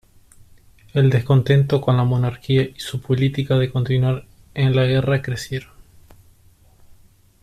El descontento con la monarquía y su política de continuar en la Guerra crecieron.